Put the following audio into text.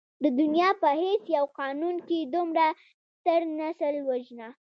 د دنيا په هېڅ يو قانون کې دومره ستر نسل وژنه.